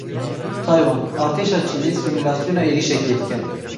Taywan, Artêşa Çînê simulasyona êrişekê dike.